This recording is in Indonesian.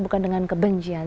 bukan dengan kebencian